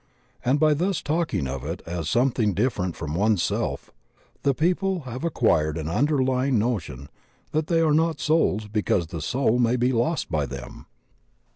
And by thus talking of it as something different from oneself, the people have acquired an underlying notion that they are not souls because the soul may be lost by them.